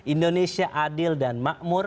indonesia adil dan makmur